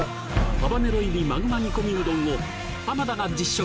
ハバネロ入りマグマ煮込みうどんを田が実食！